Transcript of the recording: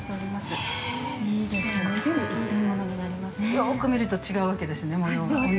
◆よく見ると、違うわけですね模様が。